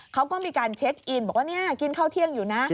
เขาก็มีการเช็คอินบอกว่านี่กินข้าวเที่ยงอยู่นะ